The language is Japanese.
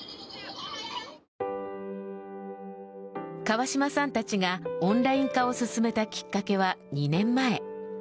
川島さんたちがオンライン化を進めたきっかけは２年前。